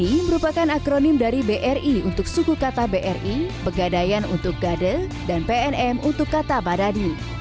ini merupakan akronim dari bri untuk suku kata bri pegadaian untuk gade dan pnm untuk kata badadi